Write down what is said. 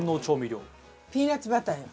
ピーナッツバターよ。